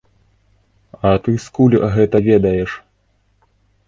А ты скуль гэта ведаеш?